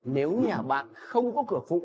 nếu nhà bạn không có cửa phụ